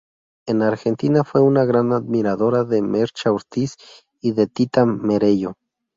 En Argentina fue una gran admiradora de Mecha Ortiz y de Tita Merello.